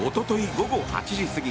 午後８時過ぎ